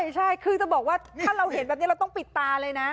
ใช่คือจะบอกว่าถ้าเราเห็นแบบนี้เราต้องปิดตาเลยนะ